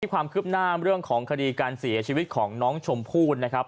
ความคืบหน้าเรื่องของคดีการเสียชีวิตของน้องชมพู่นะครับ